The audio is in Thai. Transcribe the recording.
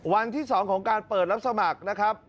วันที่๒ของการเปิดรับสมัครนะครับ